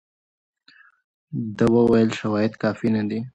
ده وویل شواهد کافي نه دي.